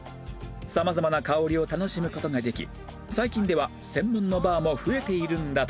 様々な香りを楽しむ事ができ最近では専門のバーも増えているんだとか